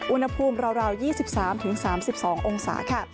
อุณหภูมิราวราวราวยี่สิบสามถึงสามสิบสององศาค่ะ